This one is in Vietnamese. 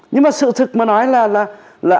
nhưng mà sự thực mà nói là